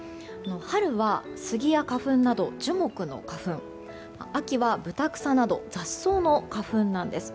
春はスギなど樹木の花粉秋はブタクサなど雑草の花粉なんです。